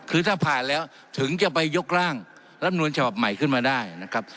คือถ้าผ่านแล้วถึงจะไปยกร่างรับนูลฉบับใหม่ขึ้นมาได้นะครับ